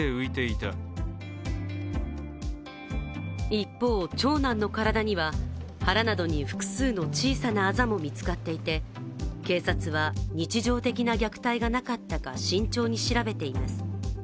一方、長男の体には腹などに複数の小さなあざも見つかっていて、警察は日常的な虐待がなかったか慎重に調べています。